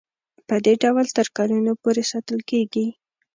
پدې ډول تر کلونو پورې ساتل کیږي.